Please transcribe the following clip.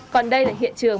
còn đây là hiện trường